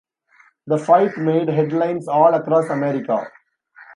The fight made headlines all across America.